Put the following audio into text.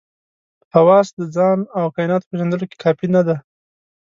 حواس د ځان او کایناتو پېژندلو کې کافي نه دي.